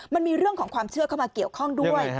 มันมีเรื่องของความเชื่อเข้ามาเกี่ยวข้องด้วย